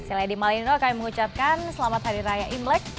saya lady malino akan mengucapkan selamat hari raya imlek